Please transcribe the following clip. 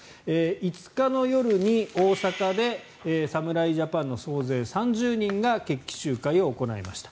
５日の夜に大阪で侍ジャパンの総勢３０人が決起集会を行いました。